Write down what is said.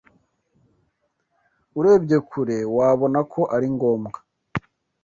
Urebye kure, wabona ko ari ngombwa